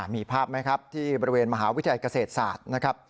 มีภาพไหมครับที่บริเวณมหาวิทยาลัยเกษตรศาสตร์นะครับ